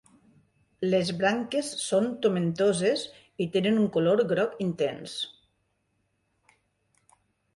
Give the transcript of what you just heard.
Les branques són tomentoses i tenen un color groc intens.